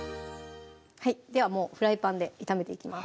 はいではもうフライパンで炒めていきます